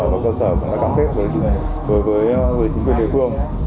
và cơ sở cũng đã cam kết với chính quyền địa phương